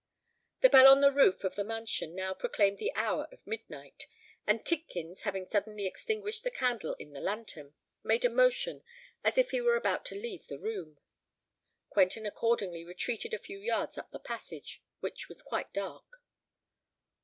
The bell on the roof of the mansion now proclaimed the hour of midnight; and Tidkins, having suddenly extinguished the candle in the lantern, made a motion as if he were about to leave the room. Quentin accordingly retreated a few yards up the passage, which was quite dark.